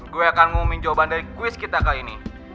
gua akan ngumumin jawaban dari quiz kita kali ini